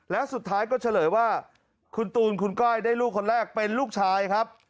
แล้วสุดท้ายก็เฉลยว่าคุณตูนคุณก้อยได้ลูกคนแรกเป็นลูกชายครับ